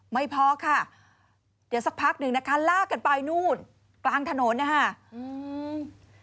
ไม่พอค่ะเดี๋ยวสักพักหนึ่งนะคะลากกันไปนู่นกลางถนนนะคะอืม